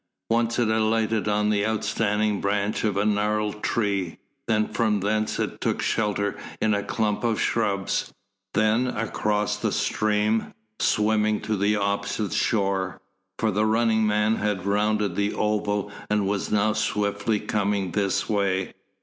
Once it alighted on the outstanding branch of a gnarled tree, then from thence it took shelter in a clump of shrubs, then across the stream, swimming to the opposite shore; for the running man had rounded the oval and was now swiftly coming this way.